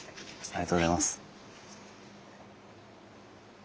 ありがとうございます。